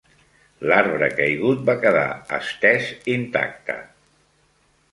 L'arbre caigut va quedar estès intacte.